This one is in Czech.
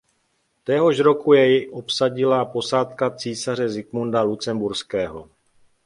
Téhož roku jej obsadila posádka císaře Zikmunda Lucemburského.